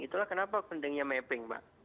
itulah kenapa pentingnya mapping mbak